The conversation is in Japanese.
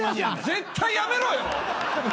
絶対やめろよ！